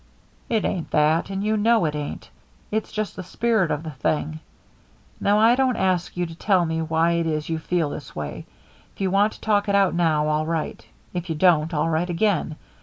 "It ain't that, and you know it ain't. It's just the spirit of the thing. Now, I don't ask you to tell me why it is you feel this way. If you want to talk it out now, all right. If you don't, all right again.